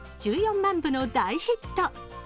１４万部の大ヒット。